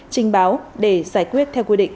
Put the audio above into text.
trình báo để giải quyết theo quy định